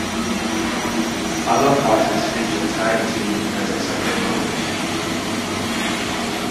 Other fighters feature tag-teaming as a separate mode.